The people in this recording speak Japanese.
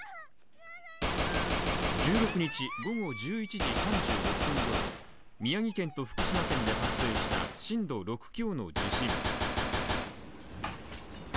１６日午後１１時３６分ごろ、宮城県と福島県で発生した震度６強の地震。